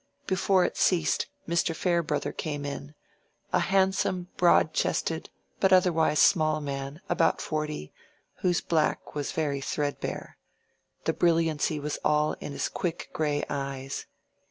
Before it ceased Mr. Farebrother came in—a handsome, broad chested but otherwise small man, about forty, whose black was very threadbare: the brilliancy was all in his quick gray eyes.